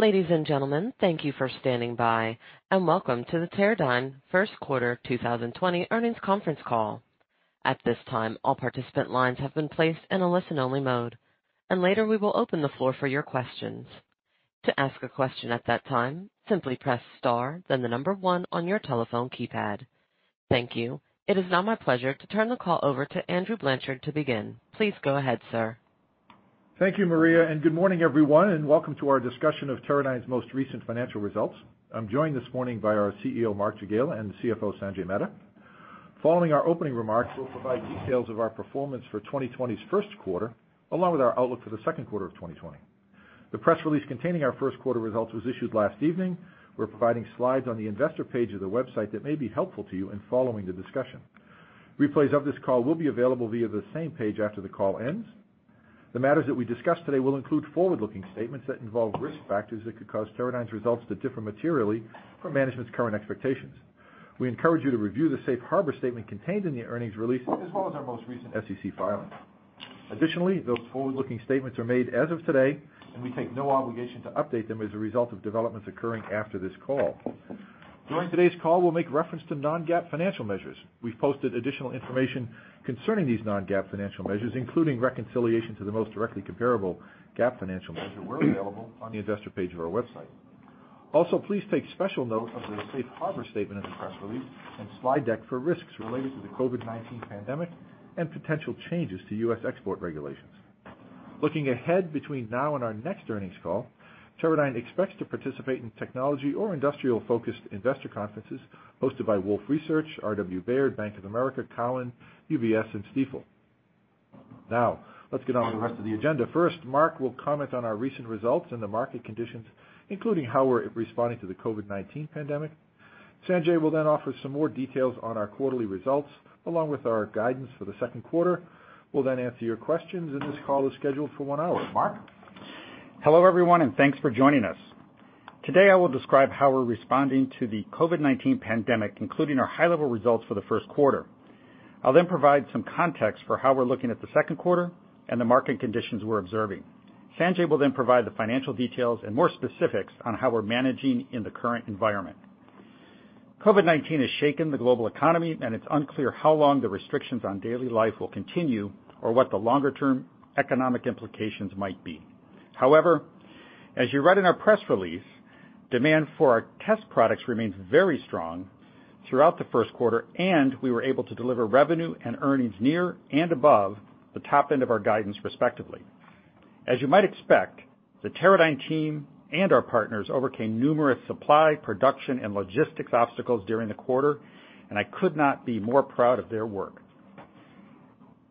Ladies and gentlemen, thank you for standing by, and Welcome to the Teradyne first quarter 2020 earnings conference call. At this time, all participant lines have been placed in a listen-only mode, and later we will open the floor for your questions. To ask a question at that time, simply press star then the number one on your telephone keypad. Thank you. It is now my pleasure to turn the call over to Andrew Blanchard to begin. Please go ahead, sir. Thank you, Maria. Good morning, everyone, and welcome to our discussion of Teradyne's most recent financial results. I'm joined this morning by our CEO, Mark Jagiela, and the CFO, Sanjay Mehta. Following our opening remarks, we'll provide details of our performance for 2020's first quarter, along with our outlook for the second quarter of 2020. The press release containing our first quarter results was issued last evening. We're providing slides on the investor page of the website that may be helpful to you in following the discussion. Replays of this call will be available via the same page after the call ends. The matters that we discuss today will include forward-looking statements that involve risk factors that could cause Teradyne's results to differ materially from management's current expectations. We encourage you to review the safe harbor statement contained in the earnings release, as well as our most recent SEC filings. Additionally, those forward-looking statements are made as of today, and we take no obligation to update them as a result of developments occurring after this call. During today's call, we'll make reference to non-GAAP financial measures. We've posted additional information concerning these non-GAAP financial measures, including reconciliation to the most directly comparable GAAP financial measures, where available on the investor page of our website. Also, please take special note of the safe harbor statement in the press release and slide deck for risks related to the COVID-19 pandemic and potential changes to U.S. export regulations. Looking ahead between now and our next earnings call, Teradyne expects to participate in technology or industrial-focused investor conferences hosted by Wolfe Research, RW Baird, Bank of America, Cowen, UBS, and Stifel. Now, let's get on with the rest of the agenda. First, Mark will comment on our recent results and the market conditions, including how we're responding to the COVID-19 pandemic. Sanjay will then offer some more details on our quarterly results, along with our guidance for the second quarter. We'll then answer your questions, and this call is scheduled for one hour. Mark? Hello, everyone, and thanks for joining us. Today, I will describe how we're responding to the COVID-19 pandemic, including our high-level results for the first quarter. I'll provide some context for how we're looking at the second quarter and the market conditions we're observing. Sanjay will provide the financial details and more specifics on how we're managing in the current environment. COVID-19 has shaken the global economy. It's unclear how long the restrictions on daily life will continue or what the longer-term economic implications might be. However, as you read in our press release, demand for our test products remained very strong throughout the first quarter. We were able to deliver revenue and earnings near and above the top end of our guidance, respectively. As you might expect, the Teradyne team and our partners overcame numerous supply, production, and logistics obstacles during the quarter, and I could not be more proud of their work.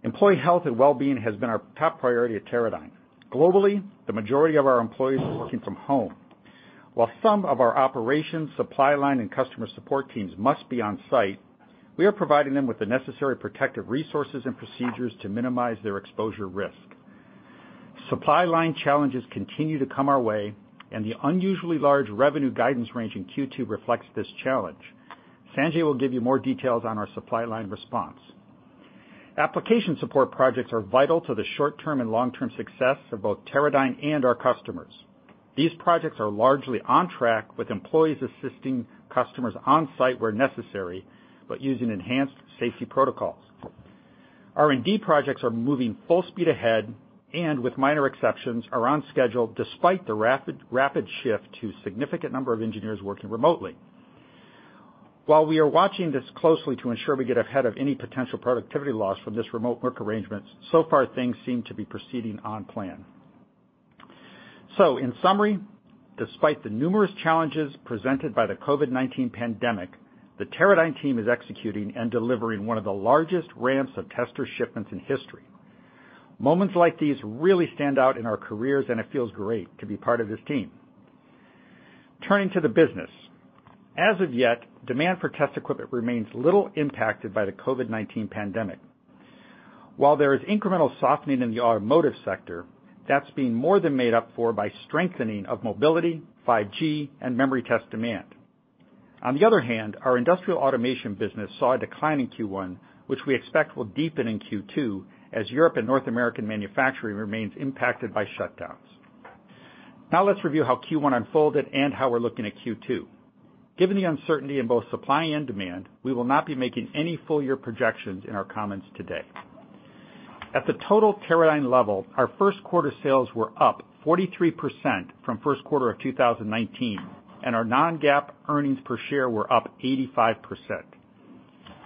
Employee health and wellbeing has been our top priority at Teradyne. Globally, the majority of our employees are working from home. While some of our operations, supply line, and customer support teams must be on-site, we are providing them with the necessary protective resources and procedures to minimize their exposure risk. Supply line challenges continue to come our way, and the unusually large revenue guidance range in Q2 reflects this challenge. Sanjay will give you more details on our supply line response. Application support projects are vital to the short-term and long-term success of both Teradyne and our customers. These projects are largely on track, with employees assisting customers on-site where necessary, but using enhanced safety protocols. R&D projects are moving full speed ahead and, with minor exceptions, are on schedule despite the rapid shift to significant number of engineers working remotely. While we are watching this closely to ensure we get ahead of any potential productivity loss from this remote work arrangement, so far things seem to be proceeding on plan. In summary, despite the numerous challenges presented by the COVID-19 pandemic, the Teradyne team is executing and delivering one of the largest ramps of tester shipments in history. Moments like these really stand out in our careers, and it feels great to be part of this team. Turning to the business. As of yet, demand for test equipment remains little impacted by the COVID-19 pandemic. While there is incremental softening in the automotive sector, that's being more than made up for by strengthening of mobility, 5G, and memory test demand. On the other hand, our industrial automation business saw a decline in Q1, which we expect will deepen in Q2 as Europe and North American manufacturing remains impacted by shutdowns. Let's review how Q1 unfolded and how we're looking at Q2. Given the uncertainty in both supply and demand, we will not be making any full-year projections in our comments today. At the total Teradyne level, our first quarter sales were up 43% from first quarter of 2019, and our non-GAAP earnings per share were up 85%.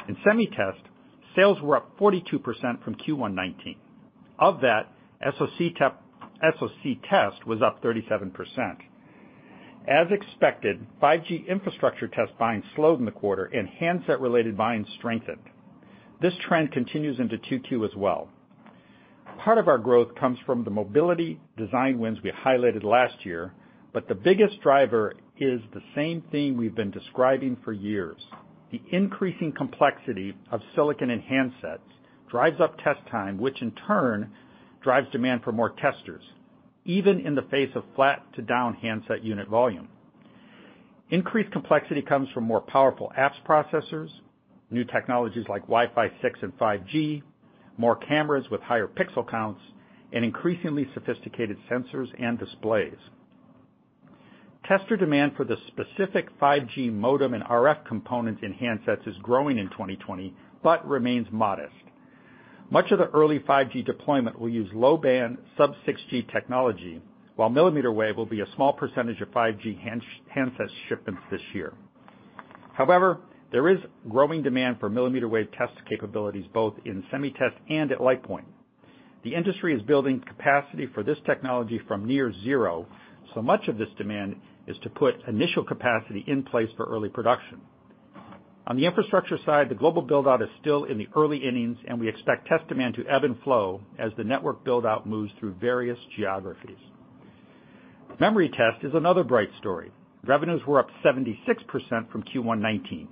In SemiTest, sales were up 42% from Q1-19. Of that, SoC test was up 37%. As expected, 5G infrastructure test buying slowed in the quarter and handset-related buying strengthened. This trend continues into Q2 as well. Part of our growth comes from the mobility design wins we highlighted last year, but the biggest driver is the same theme we've been describing for years. The increasing complexity of silicon in handsets drives up test time, which in turn drives demand for more testers, even in the face of flat-to-down handset unit volume. Increased complexity comes from more powerful apps processors, new technologies like Wi-Fi 6 and 5G, more cameras with higher pixel counts, and increasingly sophisticated sensors and displays. Tester demand for the specific 5G modem and RF components in handsets is growing in 2020, but remains modest. Much of the early 5G deployment will use low-band sub-6 GHz technology, while millimeter wave will be a small percentage of 5G handset shipments this year. However, there is growing demand for millimeter wave test capabilities both in SemiTest and at LitePoint. The industry is building capacity for this technology from near zero, so much of this demand is to put initial capacity in place for early production. On the infrastructure side, the global build-out is still in the early innings, and we expect test demand to ebb and flow as the network build-out moves through various geographies. Memory test is another bright story. Revenues were up 76% from Q1 2019.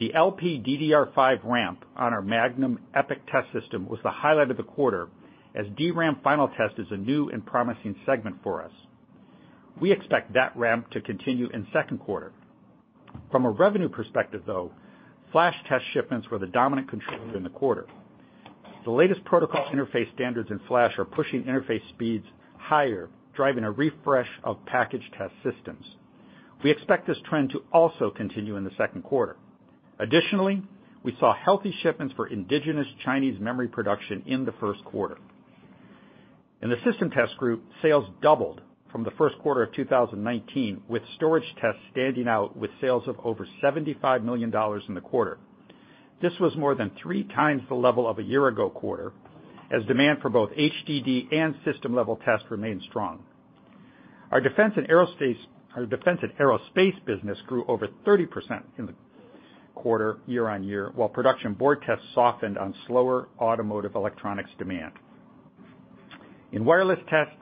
The LPDDR5 ramp on our Magnum EPIC Test System was the highlight of the quarter, as DRAM final test is a new and promising segment for us. We expect that ramp to continue in second quarter. From a revenue perspective, though, flash test shipments were the dominant contributor in the quarter. The latest protocol interface standards in flash are pushing interface speeds higher, driving a refresh of package test systems. We expect this trend to also continue in the second quarter. Additionally, we saw healthy shipments for indigenous Chinese memory production in the first quarter. In the System Test group, sales doubled from the first quarter of 2019, with storage tests standing out with sales of over $75 million in the quarter. This was more than three times the level of a year-ago quarter, as demand for both HDD and system-level test remained strong. Our defense and aerospace business grew over 30% in the quarter year-on-year, while production board tests softened on slower automotive electronics demand. In Wireless Test,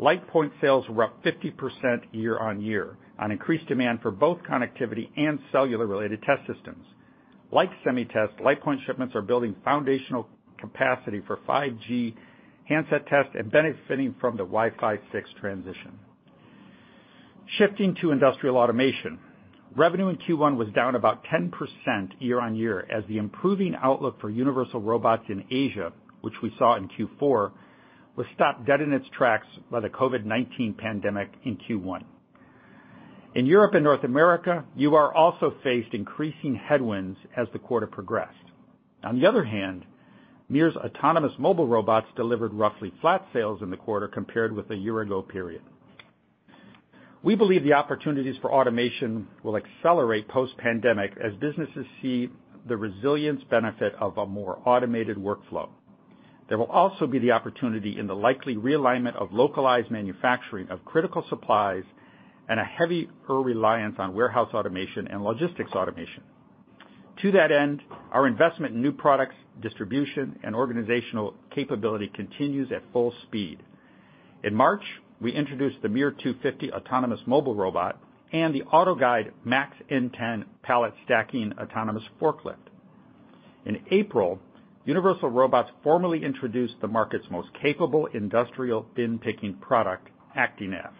LitePoint sales were up 50% year-on-year on increased demand for both connectivity and cellular-related test systems. Like SemiTest, LitePoint shipments are building foundational capacity for 5G handset test and benefiting from the Wi-Fi 6 transition. Shifting to industrial automation. Revenue in Q1 was down about 10% year-on-year as the improving outlook for Universal Robots in Asia, which we saw in Q4, was stopped dead in its tracks by the COVID-19 pandemic in Q1. In Europe and North America, UR also faced increasing headwinds as the quarter progressed. On the other hand, MiR's autonomous mobile robots delivered roughly flat sales in the quarter compared with a year-ago period. We believe the opportunities for automation will accelerate post-pandemic as businesses see the resilience benefit of a more automated workflow. There will also be the opportunity in the likely realignment of localized manufacturing of critical supplies and a heavier reliance on warehouse automation and logistics automation. To that end, our investment in new products, distribution, and organizational capability continues at full speed. In March, we introduced the MiR250 autonomous mobile robot and the AutoGuide Max N10 pallet stacking autonomous forklift. In April, Universal Robots formally introduced the market's most capable industrial bin-picking product, ActiNav.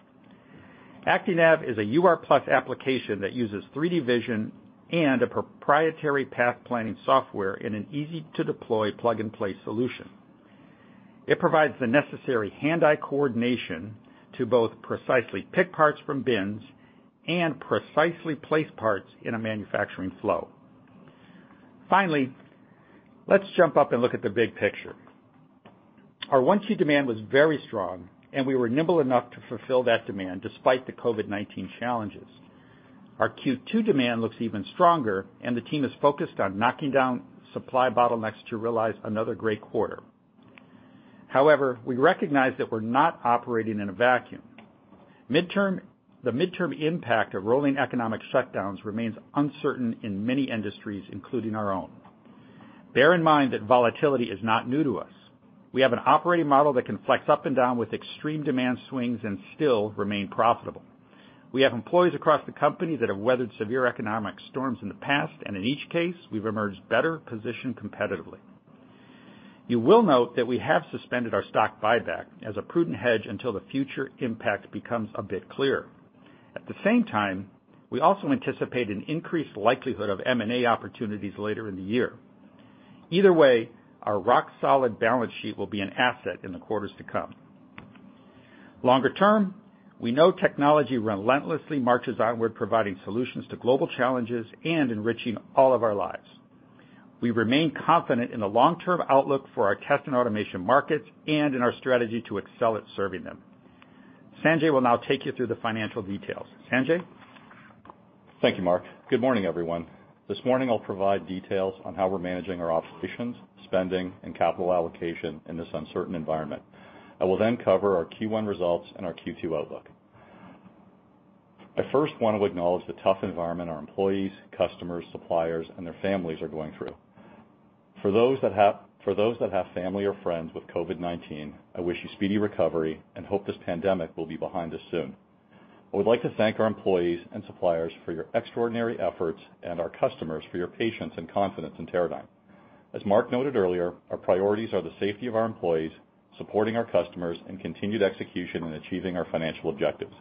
ActiNav is a UR+ application that uses 3D vision and a proprietary path-planning software in an easy-to-deploy plug-and-play solution. It provides the necessary hand-eye coordination to both precisely pick parts from bins and precisely place parts in a manufacturing flow. Finally, let's jump up and look at the big picture. Our Q1 demand was very strong, and we were nimble enough to fulfill that demand despite the COVID-19 challenges. Our Q2 demand looks even stronger, and the team is focused on knocking down supply bottlenecks to realize another great quarter. However, we recognize that we're not operating in a vacuum. The midterm impact of rolling economic shutdowns remains uncertain in many industries, including our own. Bear in mind that volatility is not new to us. We have an operating model that can flex up and down with extreme demand swings and still remain profitable. We have employees across the company that have weathered severe economic storms in the past, and in each case, we've emerged better positioned competitively. You will note that we have suspended our stock buyback as a prudent hedge until the future impact becomes a bit clearer. At the same time, we also anticipate an increased likelihood of M&A opportunities later in the year. Either way, our rock-solid balance sheet will be an asset in the quarters to come. Longer term, we know technology relentlessly marches onward, providing solutions to global challenges and enriching all of our lives. We remain confident in the long-term outlook for our test and automation markets and in our strategy to excel at serving them. Sanjay will now take you through the financial details. Sanjay? Thank you, Mark. Good morning, everyone. This morning, I'll provide details on how we're managing our operations, spending, and capital allocation in this uncertain environment. I will then cover our Q1 results and our Q2 outlook. I first want to acknowledge the tough environment our employees, customers, suppliers, and their families are going through. For those that have family or friends with COVID-19, I wish you speedy recovery and hope this pandemic will be behind us soon. I would like to thank our employees and suppliers for your extraordinary efforts and our customers for your patience and confidence in Teradyne. As Mark noted earlier, our priorities are the safety of our employees, supporting our customers, and continued execution in achieving our financial objectives.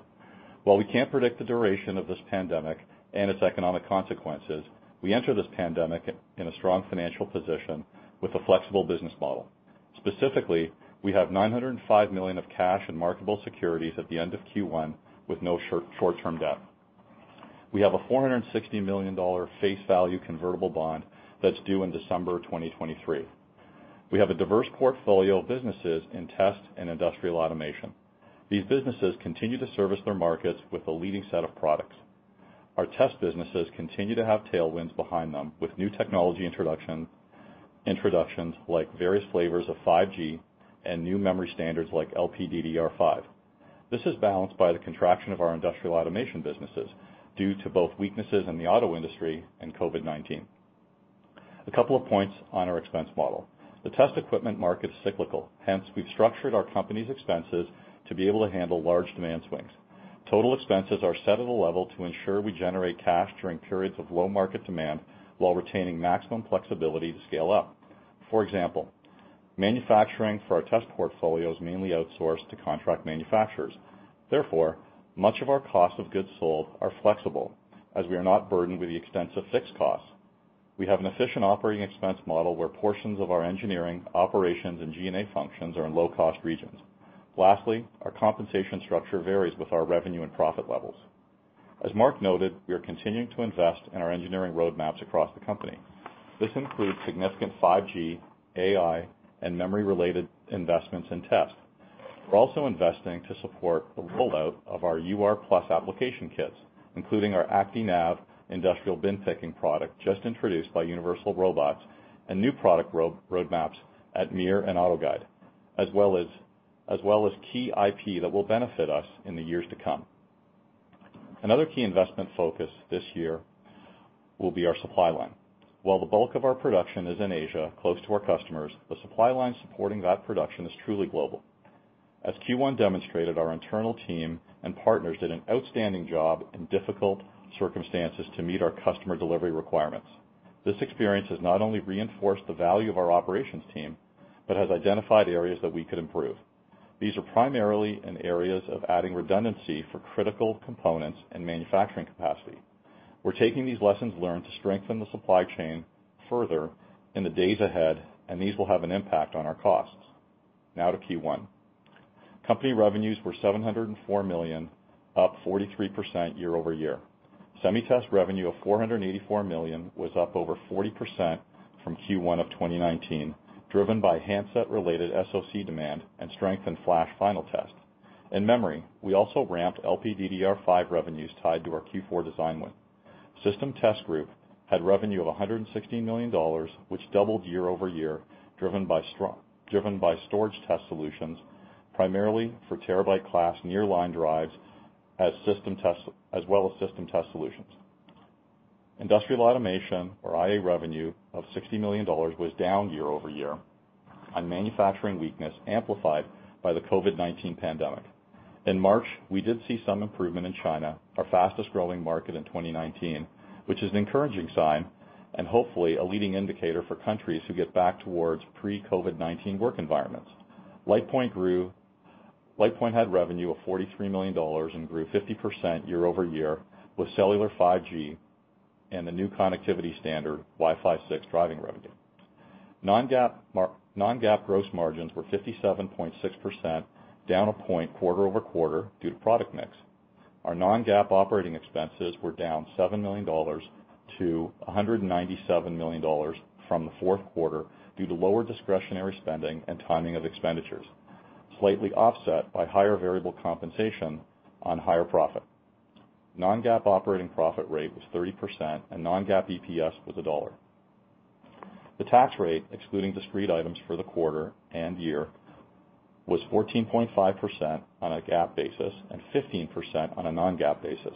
While we can't predict the duration of this pandemic and its economic consequences, we enter this pandemic in a strong financial position with a flexible business model. Specifically, we have $905 million of cash and marketable securities at the end of Q1 with no short-term debt. We have a $460 million face value convertible bond that's due in December 2023. We have a diverse portfolio of businesses in test and industrial automation. These businesses continue to service their markets with a leading set of products. Our test businesses continue to have tailwinds behind them, with new technology introductions, like various flavors of 5G and new memory standards like LPDDR5. This is balanced by the contraction of our industrial automation businesses due to both weaknesses in the auto industry and COVID-19. A couple of points on our expense model. The test equipment market is cyclical, hence, we've structured our company's expenses to be able to handle large demand swings. Total expenses are set at a level to ensure we generate cash during periods of low market demand while retaining maximum flexibility to scale up. For example, manufacturing for our test portfolio is mainly outsourced to contract manufacturers. Much of our cost of goods sold are flexible, as we are not burdened with the extensive fixed costs. We have an efficient operating expense model where portions of our engineering, operations, and G&A functions are in low-cost regions. Our compensation structure varies with our revenue and profit levels. As Mark noted, we are continuing to invest in our engineering roadmaps across the company. This includes significant 5G, AI, and memory-related investments in test. We're also investing to support the rollout of our UR+ application kits, including our ActiNav industrial bin-picking product just introduced by Universal Robots and new product roadmaps at MiR and AutoGuide, as well as key IP that will benefit us in the years to come. Another key investment focus this year will be our supply line. While the bulk of our production is in Asia, close to our customers, the supply line supporting that production is truly global. As Q1 demonstrated, our internal team and partners did an outstanding job in difficult circumstances to meet our customer delivery requirements. This experience has not only reinforced the value of our operations team but has identified areas that we could improve. These are primarily in areas of adding redundancy for critical components and manufacturing capacity. We're taking these lessons learned to strengthen the supply chain further in the days ahead, and these will have an impact on our costs. Now to Q1. Company revenues were $704 million, up 43% year-over-year. SemiTest revenue of $484 million was up over 40% from Q1 of 2019, driven by handset-related SoC demand and strength in flash final test. In memory, we also ramped LPDDR5 revenues tied to our Q4 design win. System Test group had revenue of $116 million, which doubled year-over-year, driven by storage test solutions, primarily for terabyte class nearline drives, as well as system test solutions. Industrial Automation, or IA revenue of $60 million was down year-over-year on manufacturing weakness amplified by the COVID-19 pandemic. In March, we did see some improvement in China, our fastest-growing market in 2019, which is an encouraging sign and hopefully a leading indicator for countries who get back towards pre-COVID-19 work environments. LitePoint had revenue of $43 million and grew 50% year-over-year with cellular 5G and the new connectivity standard Wi-Fi 6 driving revenue. Non-GAAP gross margins were 57.6%, down one point quarter-over-quarter due to product mix. Our non-GAAP operating expenses were down $7 million-$197 million from the fourth quarter due to lower discretionary spending and timing of expenditures, slightly offset by higher variable compensation on higher profit. Non-GAAP operating profit rate was 30% and non-GAAP EPS was $1. The tax rate, excluding discrete items for the quarter and year, was 14.5% on a GAAP basis and 15% on a non-GAAP basis.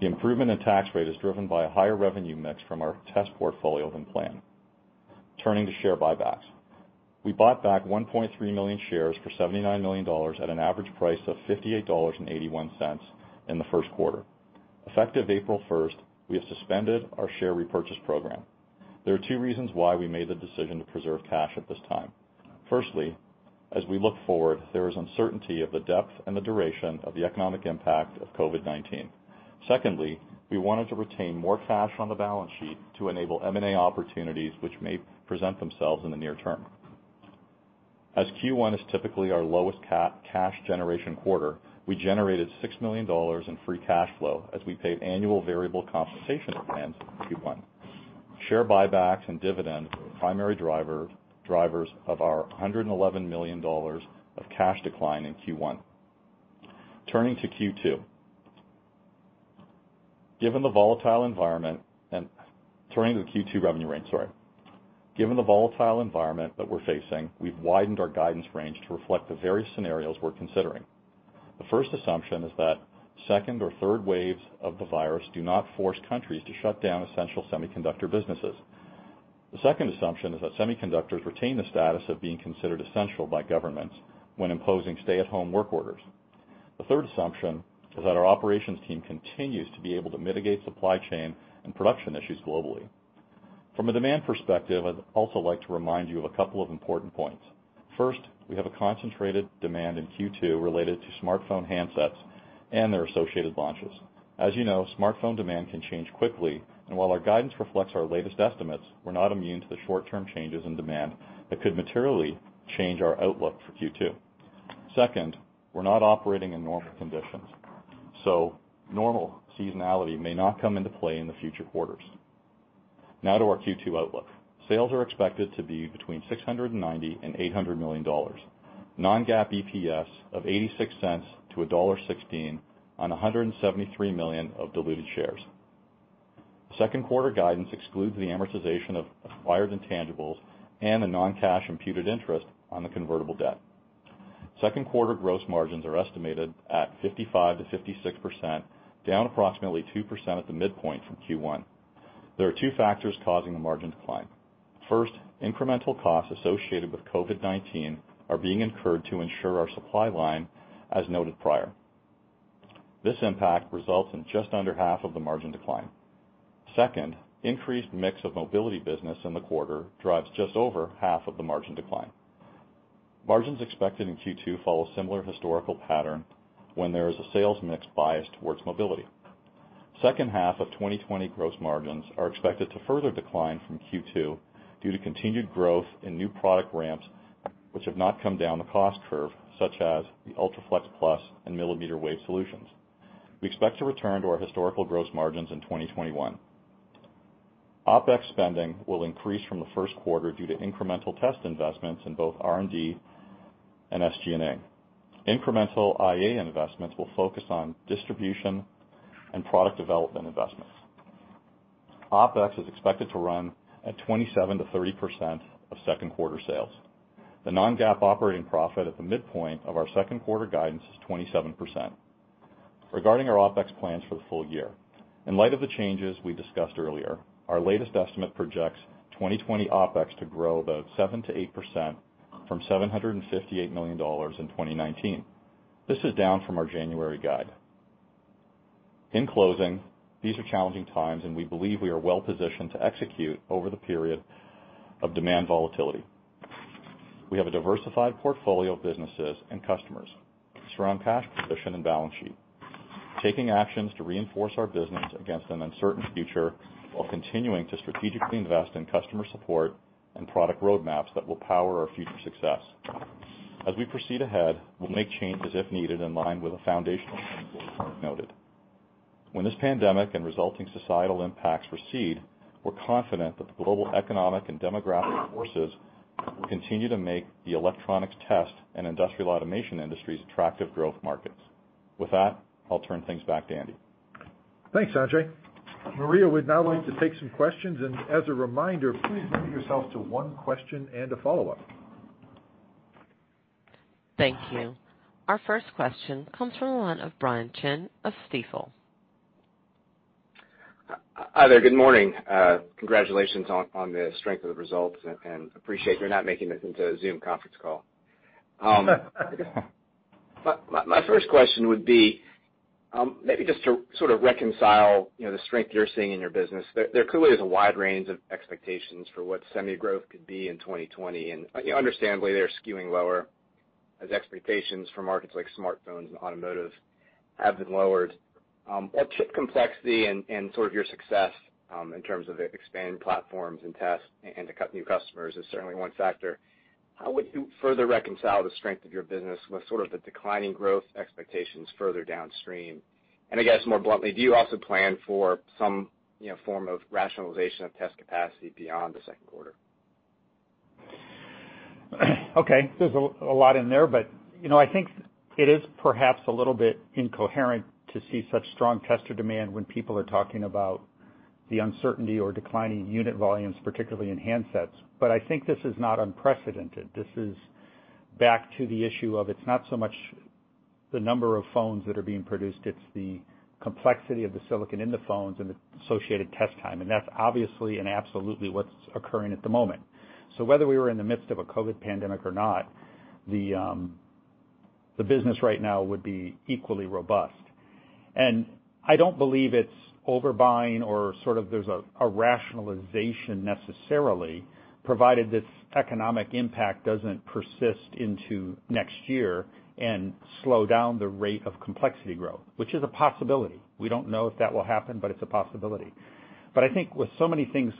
The improvement in tax rate is driven by a higher revenue mix from our test portfolio than planned. Turning to share buybacks. We bought back 1.3 million shares for $79 million at an average price of $58.81 in the first quarter. Effective April 1st, we have suspended our share repurchase program. There are two reasons why we made the decision to preserve cash at this time. Firstly, as we look forward, there is uncertainty of the depth and the duration of the economic impact of COVID-19. Secondly, we wanted to retain more cash on the balance sheet to enable M&A opportunities which may present themselves in the near term. As Q1 is typically our lowest cash generation quarter, we generated $6 million in free cash flow as we paid annual variable compensation plans in Q1. Share buybacks and dividends were the primary drivers of our $111 million of cash decline in Q1. Turning to Q2. Given the volatile environment that we're facing, we've widened our guidance range to reflect the various scenarios we're considering. The first assumption is that second or third waves of the virus do not force countries to shut down essential semiconductor businesses. The second assumption is that semiconductors retain the status of being considered essential by governments when imposing stay-at-home work orders. The third assumption is that our operations team continues to be able to mitigate supply chain and production issues globally. From a demand perspective, I'd also like to remind you of a couple of important points. First, we have a concentrated demand in Q2 related to smartphone handsets and their associated launches. You know, smartphone demand can change quickly, while our guidance reflects our latest estimates, we're not immune to the short-term changes in demand that could materially change our outlook for Q2. Second, we're not operating in normal conditions, normal seasonality may not come into play in the future quarters. To our Q2 outlook. Sales are expected to be between $690 million and $800 million. Non-GAAP EPS of $0.86-$1.16 on 173 million of diluted shares. Second quarter guidance excludes the amortization of acquired intangibles and the non-cash imputed interest on the convertible debt. Second quarter gross margins are estimated at 55%-56%, down approximately 2% at the midpoint from Q1. There are two factors causing the margin decline. First, incremental costs associated with COVID-19 are being incurred to ensure our supply line as noted prior. This impact results in just under half of the margin decline. Second, increased mix of mobility business in the quarter drives just over half of the margin decline. Margins expected in Q2 follow a similar historical pattern when there is a sales mix biased towards mobility. Second half of 2020 gross margins are expected to further decline from Q2 due to continued growth in new product ramps, which have not come down the cost curve, such as the UltraFLEXplus and millimeter wave solutions. We expect to return to our historical gross margins in 2021. OpEx spending will increase from the first quarter due to incremental test investments in both R&D and SG&A. Incremental IA investments will focus on distribution and product development investments. OpEx is expected to run at 27%-30% of second quarter sales. The non-GAAP operating profit at the midpoint of our second quarter guidance is 27%. Regarding our OpEx plans for the full year, in light of the changes we discussed earlier, our latest estimate projects 2020 OpEx to grow about 7%-8% from $758 million in 2019. This is down from our January guide. In closing, these are challenging times, and we believe we are well-positioned to execute over the period of demand volatility. We have a diversified portfolio of businesses and customers, strong cash position and balance sheet. Taking actions to reinforce our business against an uncertain future while continuing to strategically invest in customer support and product roadmaps that will power our future success. As we proceed ahead, we'll make changes if needed in line with the foundational principles noted. When this pandemic and resulting societal impacts recede, we're confident that the global economic and demographic forces will continue to make the electronics test and industrial automation industries attractive growth markets. With that, I'll turn things back to Andy. Thanks, Sanjay. Maria would now like to take some questions, and as a reminder, please limit yourself to one question and a follow-up. Thank you. Our first question comes from the line of Brian Chin of Stifel. Hi there. Good morning. Congratulations on the strength of the results and appreciate you're not making this into a Zoom conference call. My first question would be, maybe just to sort of reconcile the strength you're seeing in your business. There clearly is a wide range of expectations for what semi growth could be in 2020, and understandably, they're skewing lower as expectations for markets like smartphones and automotive have been lowered. With chip complexity and sort of your success in terms of expanding platforms and tests and to cut new customers is certainly one factor. How would you further reconcile the strength of your business with sort of the declining growth expectations further downstream? I guess more bluntly, do you also plan for some form of rationalization of test capacity beyond the second quarter? Okay. There's a lot in there, I think it is perhaps a little bit incoherent to see such strong tester demand when people are talking about the uncertainty or declining unit volumes, particularly in handsets. I think this is not unprecedented. This is back to the issue of, it's not so much the number of phones that are being produced, it's the complexity of the silicon in the phones and the associated test time, and that's obviously and absolutely what's occurring at the moment. Whether we were in the midst of a COVID-19 pandemic or not, the business right now would be equally robust. I don't believe it's overbuying or sort of there's a rationalization necessarily, provided this economic impact doesn't persist into next year and slow down the rate of complexity growth, which is a possibility. We don't know if that will happen, but it's a possibility. I think with so many things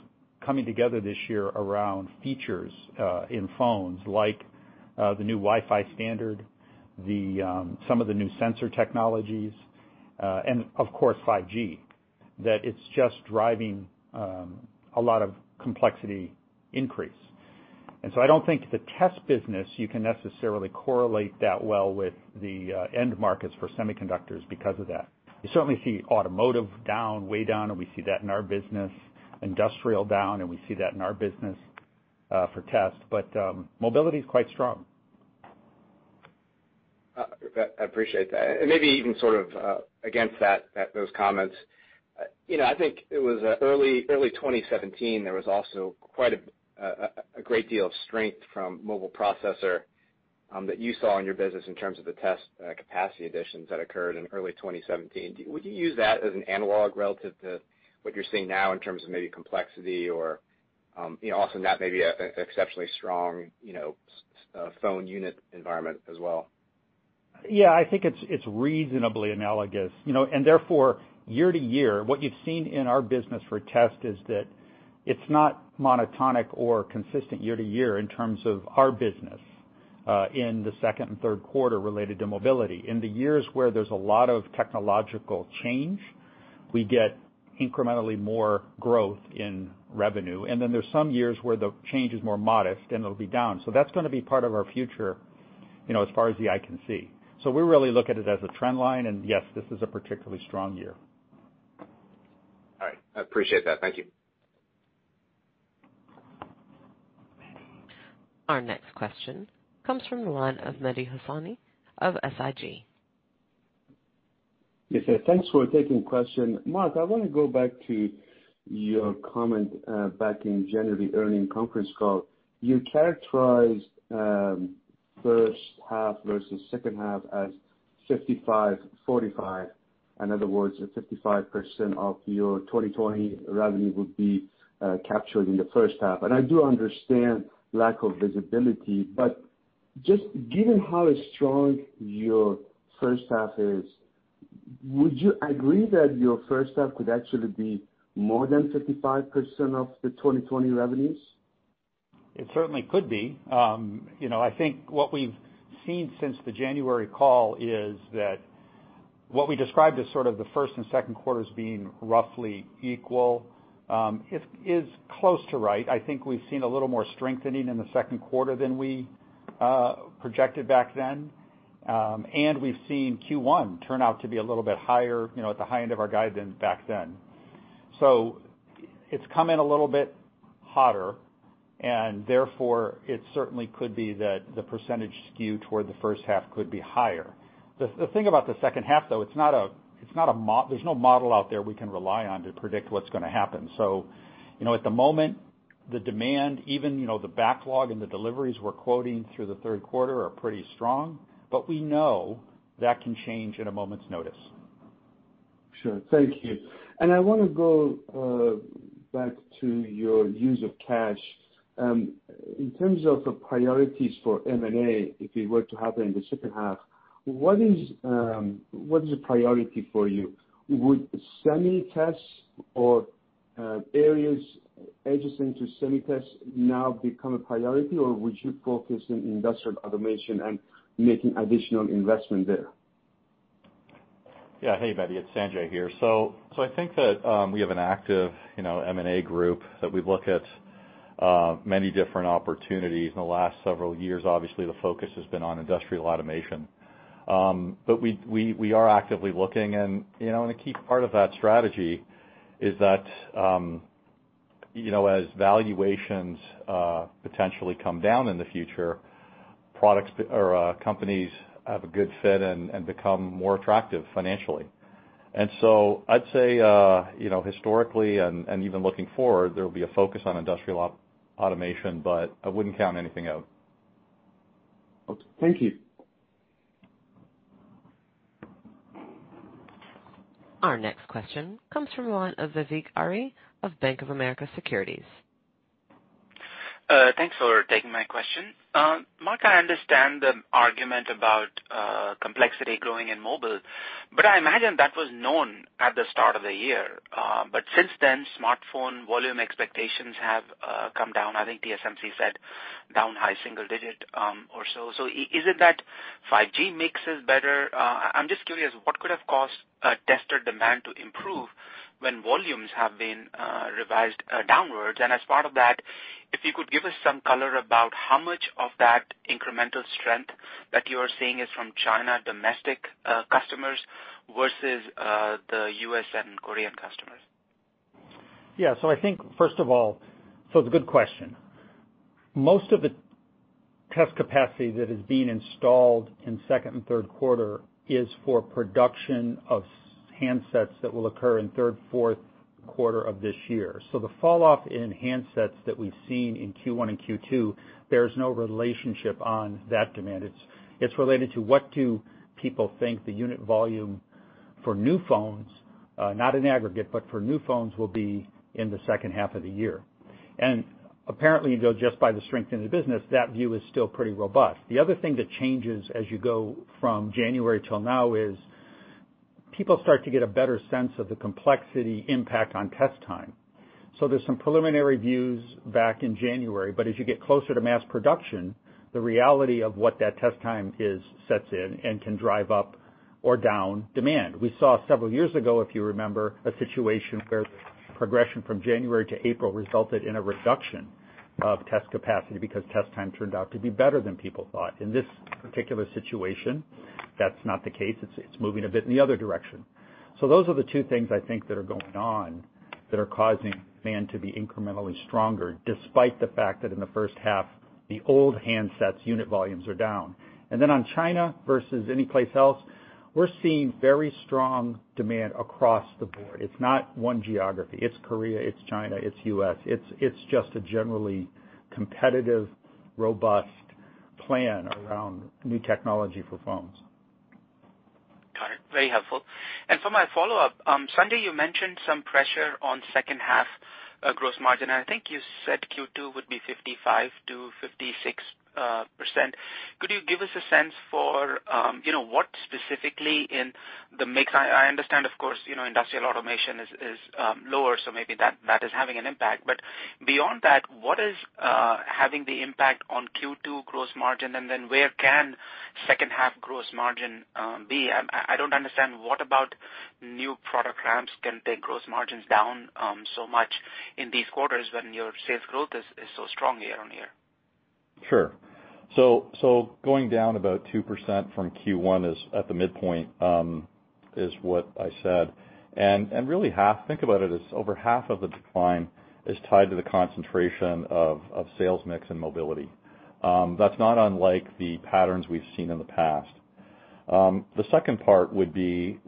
coming together this year around features in phones like the new Wi-Fi 6, some of the new sensor technologies, and of course, 5G, that it's just driving a lot of complexity increase. I don't think the Semiconductor Test business, you can necessarily correlate that well with the end markets for semiconductors because of that. You certainly see automotive down, way down, and we see that in our business. Industrial down, and we see that in our business for test. Mobility's quite strong. I appreciate that. Maybe even sort of against those comments, I think it was early 2017, there was also quite a great deal of strength from mobile processor that you saw in your business in terms of the test capacity additions that occurred in early 2017. Would you use that as an analog relative to what you're seeing now in terms of maybe complexity or also not maybe exceptionally strong phone unit environment as well? Yeah, I think it's reasonably analogous. Therefore, year to year, what you've seen in our business for test is that it's not monotonic or consistent year to year in terms of our business, in the second and third quarter related to mobility. In the years where there's a lot of technological change, we get incrementally more growth in revenue. Then there's some years where the change is more modest, and it'll be down. That's going to be part of our future, as far as the eye can see. We really look at it as a trend line, and yes, this is a particularly strong year. All right. I appreciate that. Thank you. Our next question comes from the line of Mehdi Hosseini of SIG. Yes. Thanks for taking question. Mark, I want to go back to your comment back in January early in conference call. You characterized first half versus second half as 55/45. In other words, 55% of your 2020 revenue would be captured in the first half. I do understand lack of visibility, but just given how strong your first half is, would you agree that your first half could actually be more than 55% of the 2020 revenues? It certainly could be. I think what we've seen since the January call is that what we described as sort of the first and second quarters being roughly equal, is close to right. I think we've seen a little more strengthening in the second quarter than we projected back then. We've seen Q1 turn out to be a little bit higher, at the high end of our guide than back then. It's come in a little bit hotter, and therefore it certainly could be that the percentage skew toward the first half could be higher. The thing about the second half, though, there's no model out there we can rely on to predict what's going to happen. At the moment, the demand even, the backlog and the deliveries we're quoting through the third quarter are pretty strong, but we know that can change in a moment's notice. Sure. Thank you. I want to go back to your use of cash. In terms of the priorities for M&A, if it were to happen in the second half, what is a priority for you? Would SemiTest or areas adjacent to SemiTest now become a priority, or would you focus in industrial automation and making additional investment there? Yeah. Hey, Mehdi, it's Sanjay here. I think that we have an active M&A group that we look at many different opportunities. In the last several years obviously, the focus has been on industrial automation. We are actively looking, and a key part of that strategy is that as valuations potentially come down in the future, companies have a good fit and become more attractive financially. I'd say historically and even looking forward, there will be a focus on industrial automation, but I wouldn't count anything out. Okay. Thank you. Our next question comes from the line of Vivek Arya of Bank of America Securities. Thanks for taking my question. Mark, I understand the argument about complexity growing in mobile, I imagine that was known at the start of the year. Since then, smartphone volume expectations have come down. I think TSMC said down high single digit or so. Is it that 5G mixes better? I'm just curious what could have caused tester demand to improve when volumes have been revised downwards? As part of that, if you could give us some color about how much of that incremental strength that you are seeing is from China domestic customers versus the U.S. and Korean customers. Yeah. I think first of all, it's a good question. Most of the test capacity that is being installed in second and third quarter is for production of handsets that will occur in third, fourth quarter of this year. The fall off in handsets that we've seen in Q1 and Q2, there's no relationship on that demand. It's related to what do people think the unit volume for new phones, not in aggregate, but for new phones will be in the second half of the year. Apparently, just by the strength in the business, that view is still pretty robust. The other thing that changes as you go from January till now is people start to get a better sense of the complexity impact on test time. There's some preliminary views back in January, but as you get closer to mass production, the reality of what that test time is sets in and can drive up or down demand. We saw several years ago, if you remember, a situation where progression from January to April resulted in a reduction of test capacity because test time turned out to be better than people thought. In this particular situation, that's not the case. It's moving a bit in the other direction. Those are the two things I think that are going on that are causing demand to be incrementally stronger, despite the fact that in the first half, the old handsets unit volumes are down. On China versus anyplace else. We're seeing very strong demand across the board. It's not one geography, it's Korea, it's China, it's U.S. It's just a generally competitive, robust plan around new technology for phones. Got it. Very helpful. For my follow-up, Sanjay, you mentioned some pressure on second half Gross Margin, and I think you said Q2 would be 55%-56%. Could you give us a sense for what specifically in the mix. I understand, of course, Industrial Automation is lower, so maybe that is having an impact. Beyond that, what is having the impact on Q2 Gross Margin, and then where can second half Gross Margin be? I don't understand what about new product ramps can take Gross Margins down so much in these quarters when your sales growth is so strong year-on-year. Sure. Going down about 2% from Q1 is at the midpoint, is what I said. Really half, think about it, is over half of the decline is tied to the concentration of sales mix and mobility. That's not unlike the patterns we've seen in the past. The second part would be,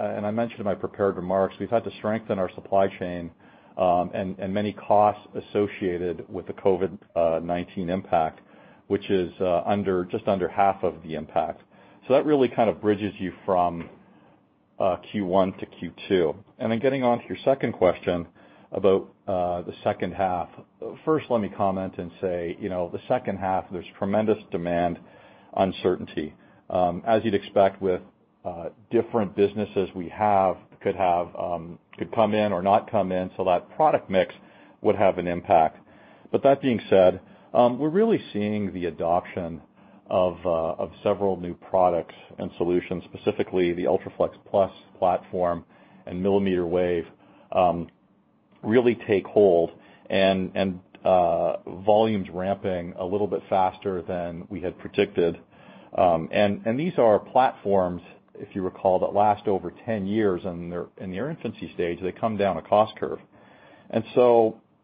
and I mentioned in my prepared remarks, we've had to strengthen our supply chain, and many costs associated with the COVID-19 impact, which is just under half of the impact. That really kind of bridges you from Q1 to Q2. Getting onto your second question about the second half. First, let me comment and say, the second half, there's tremendous demand uncertainty. As you'd expect with different businesses we have, could come in or not come in, so that product mix would have an impact. That being said, we're really seeing the adoption of several new products and solutions, specifically the UltraFLEXplus platform and millimeter wave, really take hold and volumes ramping a little bit faster than we had predicted. These are platforms, if you recall, that last over 10 years in their infancy stage, they come down a cost curve.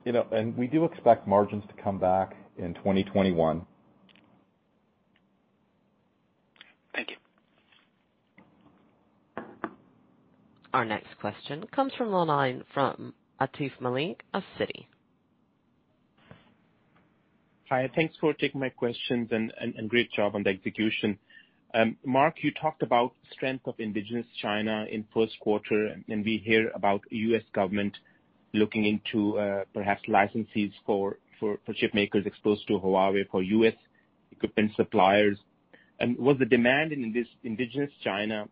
We do expect margins to come back in 2021. Thank you. Our next question comes from the line from Atif Malik of Citi. Hi, thanks for taking my questions and great job on the execution. Mark, you talked about strength of indigenous China in first quarter. We hear about U.S. government looking into perhaps licenses for chip makers exposed to Huawei for U.S. equipment suppliers. Was the demand in this indigenous China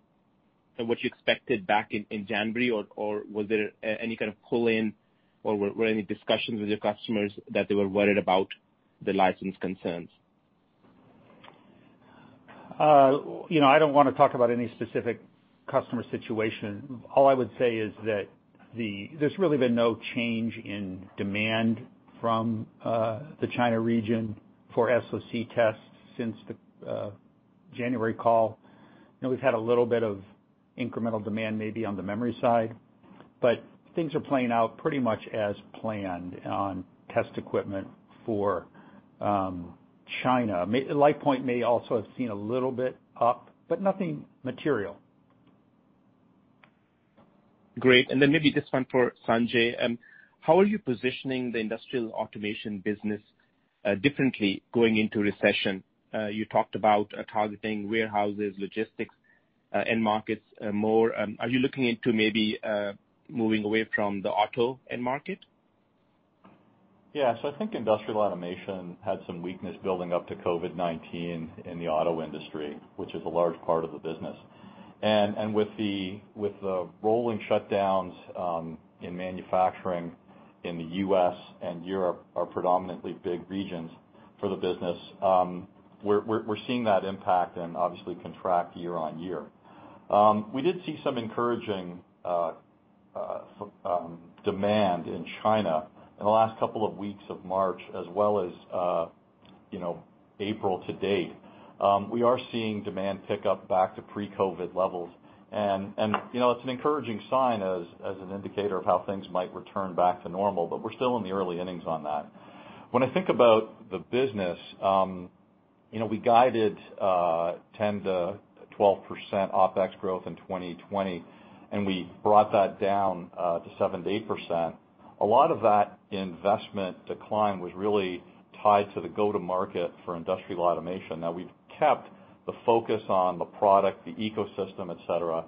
what you expected back in January? Was there any kind of pull in or were any discussions with your customers that they were worried about the license concerns? I don't want to talk about any specific customer situation. All I would say is that there's really been no change in demand from the China region for SoC tests since the January call. We've had a little bit of incremental demand maybe on the memory side, but things are playing out pretty much as planned on test equipment for China. LitePoint may also have seen a little bit up, but nothing material. Great. Maybe this one for Sanjay. How are you positioning the industrial automation business differently going into recession? You talked about targeting warehouses, logistics, end markets more. Are you looking into maybe moving away from the auto end market? I think Industrial Automation had some weakness building up to COVID-19 in the auto industry, which is a large part of the business. With the rolling shutdowns in manufacturing in the U.S. and Europe, are predominantly big regions for the business, we're seeing that impact and obviously contract year-on-year. We did see some encouraging demand in China in the last couple of weeks of March as well as April to date. We are seeing demand pick up back to pre-COVID levels, it's an encouraging sign as an indicator of how things might return back to normal, we're still in the early innings on that. When I think about the business, we guided 10%-12% OpEx growth in 2020, we brought that down to 7%-8%. A lot of that investment decline was really tied to the go to market for industrial automation. We've kept the focus on the product, the ecosystem, et cetera.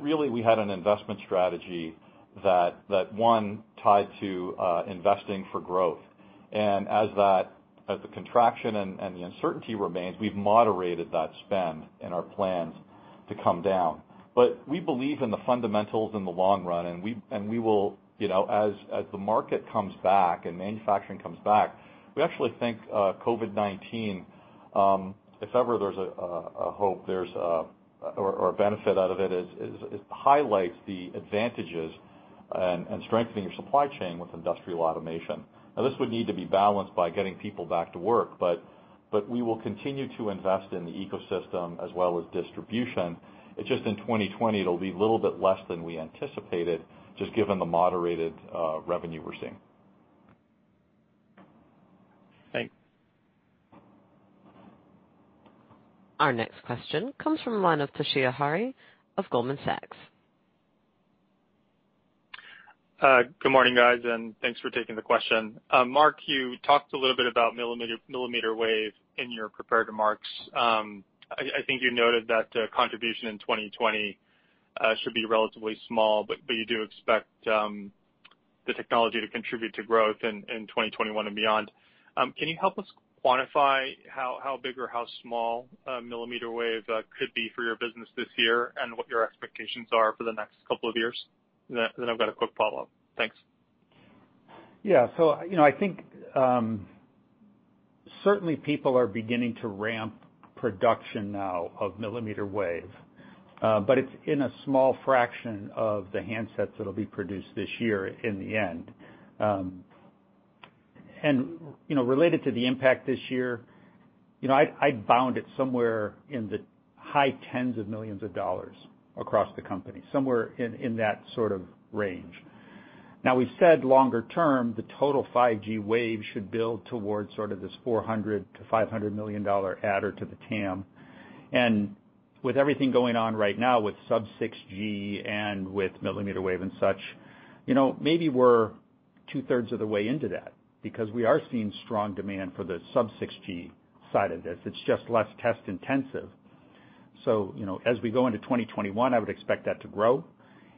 Really we had an investment strategy that one, tied to investing for growth. As the contraction and the uncertainty remains, we've moderated that spend in our plans to come down. We believe in the fundamentals in the long run, and we will, as the market comes back and manufacturing comes back, we actually think COVID-19, if ever there's a hope, or a benefit out of it is, it highlights the advantages and strengthening your supply chain with industrial automation. This would need to be balanced by getting people back to work, we will continue to invest in the ecosystem as well as distribution. It's just in 2020 it'll be a little bit less than we anticipated, just given the moderated revenue we're seeing. Thanks. Our next question comes from the line of Toshiya Hari of Goldman Sachs. Good morning, guys. Thanks for taking the question. Mark, you talked a little bit about millimeter wave in your prepared remarks. I think you noted that contribution in 2020 should be relatively small. You do expect the technology to contribute to growth in 2021 and beyond. Can you help us quantify how big or how small millimeter wave could be for your business this year? What your expectations are for the next couple of years? I've got a quick follow-up. Thanks. I think certainly people are beginning to ramp production now of millimeter wave, but it's in a small fraction of the handsets that'll be produced this year in the end. Related to the impact this year, I'd bound it somewhere in the high tens of millions of dollars across the company, somewhere in that sort of range. We've said longer term, the total 5G wave should build towards sort of this $400 million-$500 million adder to the TAM. With everything going on right now with sub-6 GHz and with millimeter wave and such, maybe we're two-thirds of the way into that because we are seeing strong demand for the sub-6 GHz side of this. It's just less test intensive. As we go into 2021, I would expect that to grow.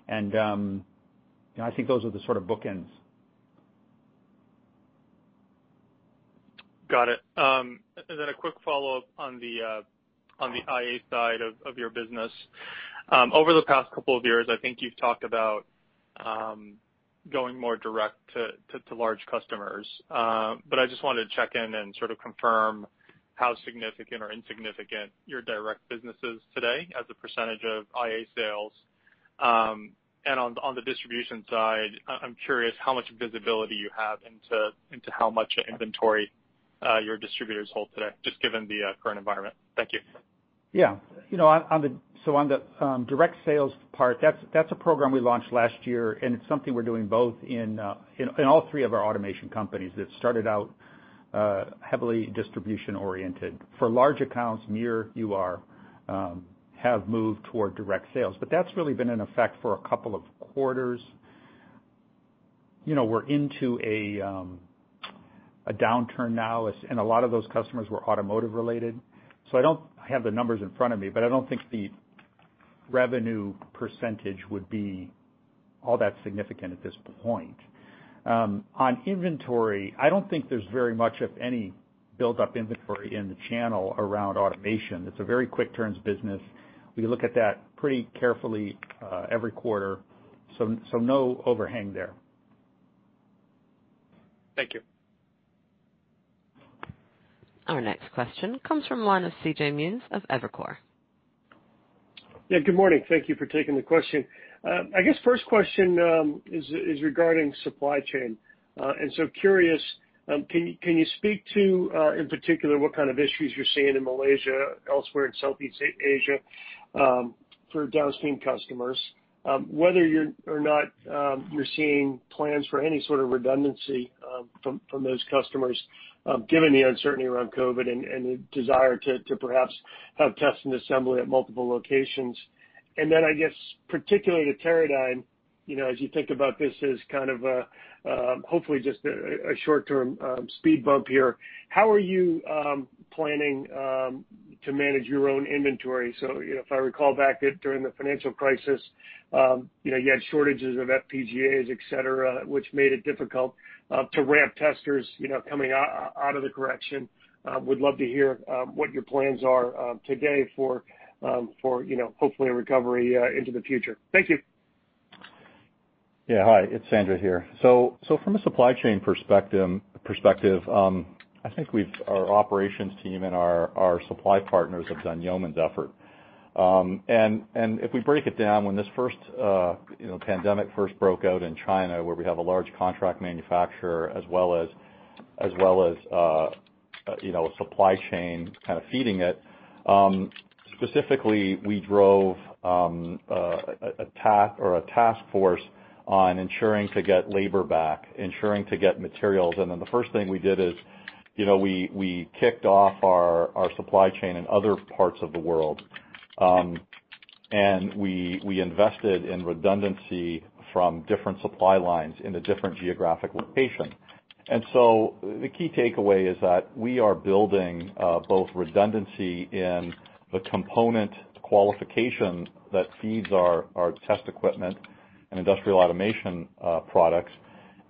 I think those are the sort of bookends. Got it. Then a quick follow-up on the IA side of your business. Over the past couple of years, I think you've talked about going more direct to large customers. I just wanted to check in and sort of confirm how significant or insignificant your direct business is today as a percentage of IA sales. On the distribution side, I'm curious how much visibility you have into how much inventory your distributors hold today, just given the current environment. Thank you. On the direct sales part, that's a program we launched last year, and it's something we're doing both in all three of our automation companies that started out heavily distribution oriented. For large accounts, MiR, UR, have moved toward direct sales. That's really been in effect for a couple of quarters. We're into a downturn now, and a lot of those customers were automotive related. I don't have the numbers in front of me, but I don't think the revenue percentage would be all that significant at this point. On inventory, I don't think there's very much of any built-up inventory in the channel around automation. It's a very quick turns business. We look at that pretty carefully every quarter, so no overhang there. Thank you. Our next question comes from the line of CJ Muse of Evercore. Yeah, good morning. Thank you for taking the question. I guess first question is regarding supply chain. Curious, can you speak to, in particular, what kind of issues you're seeing in Malaysia, elsewhere in Southeast Asia, for downstream customers? Whether or not you're seeing plans for any sort of redundancy from those customers, given the uncertainty around COVID and the desire to perhaps have test and assembly at multiple locations. I guess particularly to Teradyne, as you think about this as kind of a, hopefully just a short-term speed bump here, how are you planning to manage your own inventory? If I recall back during the financial crisis, you had shortages of FPGAs, et cetera, which made it difficult to ramp testers coming out of the correction. Would love to hear what your plans are today for hopefully a recovery into the future. Thank you. Hi, it's Sanjay here. From a supply chain perspective, I think our operations team and our supply partners have done yeoman's effort. If we break it down, when this pandemic first broke out in China, where we have a large contract manufacturer as well as a supply chain kind of feeding it, specifically, we drove a task force on ensuring to get labor back, ensuring to get materials. The first thing we did is we kicked off our supply chain in other parts of the world, and we invested in redundancy from different supply lines in a different geographic location. The key takeaway is that we are building both redundancy in the component qualification that feeds our test equipment and industrial automation products,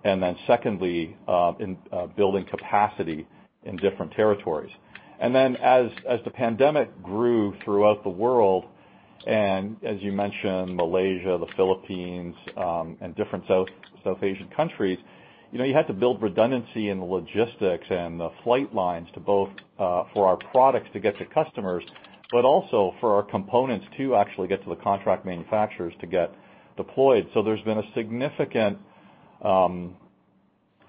and then secondly, in building capacity in different territories. As the pandemic grew throughout the world, as you mentioned, Malaysia, the Philippines, and different South Asian countries, you had to build redundancy in the logistics and the flight lines to both for our products to get to customers, but also for our components to actually get to the contract manufacturers to get deployed. There's been a significant investment,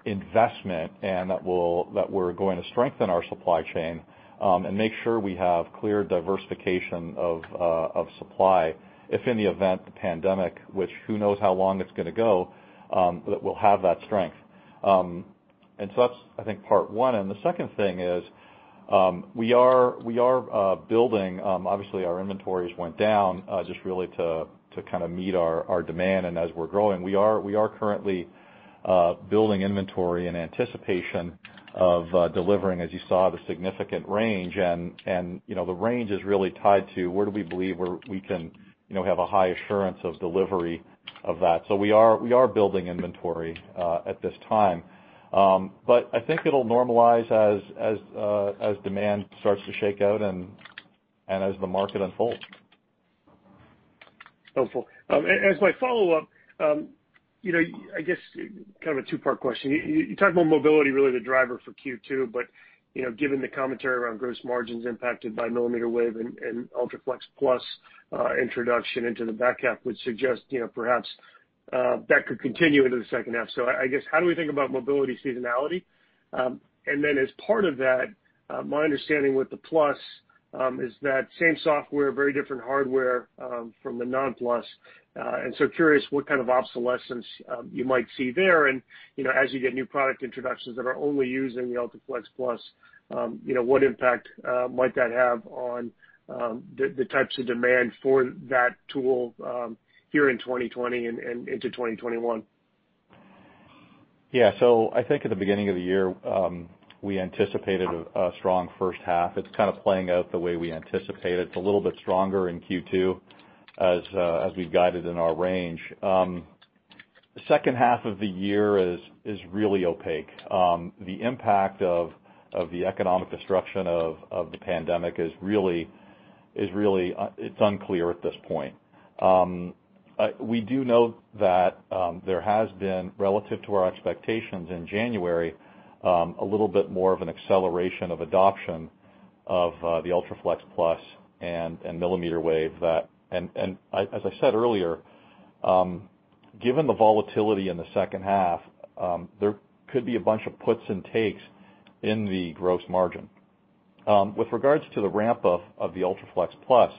and that we're going to strengthen our supply chain, and make sure we have clear diversification of supply if in the event the pandemic, which who knows how long it's going to go, that we'll have that strength. That's, I think, part one. The second thing is, we are building, obviously our inventories went down just really to kind of meet our demand. As we're growing, we are currently building inventory in anticipation of delivering, as you saw, the significant range. The range is really tied to where do we believe where we can have a high assurance of delivery of that. We are building inventory at this time. I think it'll normalize as demand starts to shake out and as the market unfolds. Helpful. As my follow-up, I guess kind of a two-part question. You talked about mobility really the driver for Q2, but, given the commentary around gross margins impacted by millimeter wave and UltraFLEXplus introduction into the back half would suggest perhaps that could continue into the second half. I guess how do we think about mobility seasonality? Then as part of that, my understanding with the plus, is that same software, very different hardware from the non-plus. Curious what kind of obsolescence you might see there and, as you get new product introductions that are only using the UltraFLEXplus, what impact might that have on the types of demand for that tool here in 2020 and into 2021? I think at the beginning of the year, we anticipated a strong first half. It's kind of playing out the way we anticipated. It's a little bit stronger in Q2 as we've guided in our range. The second half of the year is really opaque. The impact of the economic destruction of the pandemic, it's unclear at this point. We do know that there has been, relative to our expectations in January, a little bit more of an acceleration of adoption of the UltraFLEXplus and millimeter wave. As I said earlier, given the volatility in the second half, there could be a bunch of puts and takes in the gross margin. With regards to the ramp up of the UltraFLEXplus,